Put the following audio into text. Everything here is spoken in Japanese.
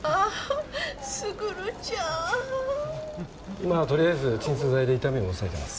今はとりあえず鎮痛剤で痛みを抑えてます。